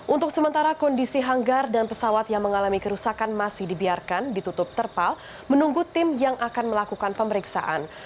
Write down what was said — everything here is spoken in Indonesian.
untuk sementara kondisi hanggar dan pesawat yang mengalami kerusakan masih dibiarkan ditutup terpal menunggu tim yang akan melakukan pemeriksaan